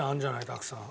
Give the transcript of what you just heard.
たくさん。